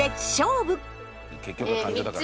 結局は感情だからね。